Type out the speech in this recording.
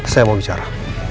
saya mau bicara